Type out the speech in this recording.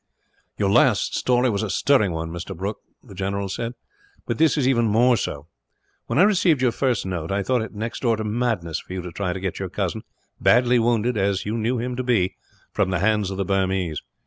"Your last story was a stirring one, Mr. Brooke," the general said; "but this is even more so. When I received your first note, I thought it next door to madness for you to try to get your cousin, badly wounded as you knew him to be, from the hands of the Burmese.